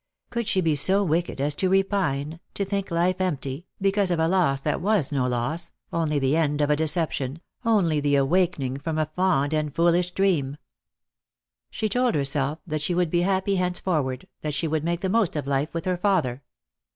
Could she be so wicked as to repine, to think life empty, because of a loss that was no loss, only the end of a deception, only the awaken ing from a fond and foolish dream ? She told herself that she would be happy henceforward, that she would make the most of life with her father.